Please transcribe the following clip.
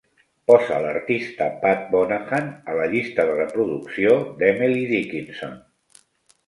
Posa l'artista Pat Monahan a la llista de reproducció d'Emily Dickinson.